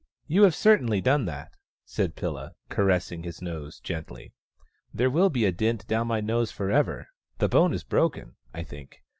" You have certainly done that," said Pilla, caressing his nose gently. " There will be a dint down my nose for ever — the bone is broken, I think.